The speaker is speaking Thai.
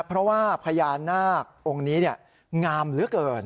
เพราะว่าพญานาคตรงนี้เนี่ยงามเหลือเกิน